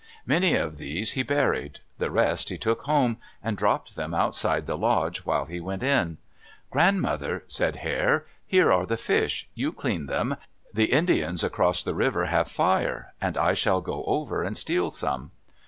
Many of these he buried. The rest he took home, and dropped them outside the lodge while he went in. "Grandmother," said Hare, "Here are the fish. You clean them. The Indians across the river have fire, and I shall go over and steal some."